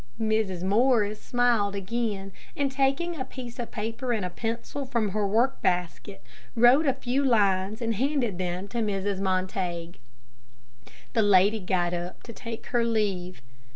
Mrs. Morris smiled again, and, taking a piece of paper and a pencil from her work basket, wrote a few lines and handed them to Mrs. Montague. The lady got up to take her leave.